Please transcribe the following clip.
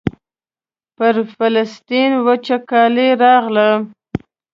پر فلسطین وچکالي راغله.